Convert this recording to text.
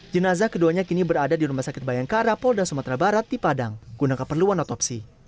jenazah keduanya kini berada di rumah sakit bayangkara polda sumatera barat di padang guna keperluan otopsi